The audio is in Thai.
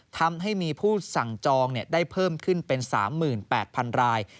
ทำให้มีผู้สั่งจองได้เพิ่มขึ้นเป็น๓๘๐๐๐ราย